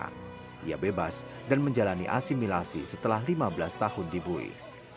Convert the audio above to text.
ibu ndanya berubah dan menjalani asimilasi setelah lima belas tahun dibuih